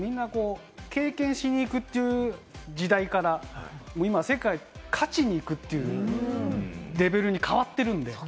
みんな本当に、経験しに行くという時代から、今、世界に勝ちに行くというレベルに変わっているんで。